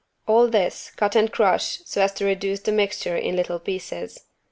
All this cut and crush so as to reduce the mixture in little pieces.